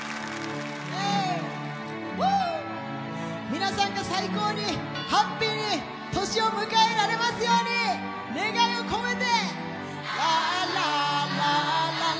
皆さんが最高にハッピーに年を迎えられますように願いを込めて！